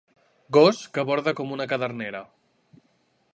Gos que borda com una cadernera.